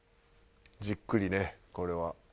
じっくりねこれは。